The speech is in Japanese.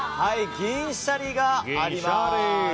銀シャリがあります。